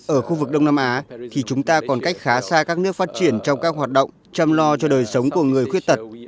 ở khu vực đông nam á thì chúng ta còn cách khá xa các nước phát triển trong các hoạt động chăm lo cho đời sống của người khuyết tật